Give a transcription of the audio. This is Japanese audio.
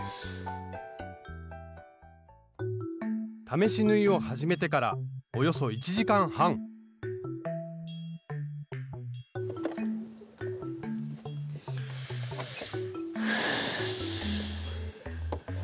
試し縫いを始めてからおよそ１時間半ふう。